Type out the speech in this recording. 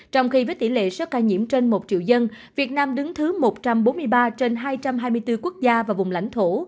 trong khi với tỷ lệ số ca nhiễm trên một triệu dân việt nam đứng thứ một trăm bốn mươi ba trên hai trăm hai mươi bốn quốc gia và vùng lãnh thổ